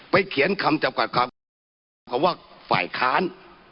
ไปเขียนคำจับกับคำคำว่าฝ่ายค้าน